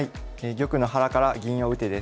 「玉の腹から銀を打て」です。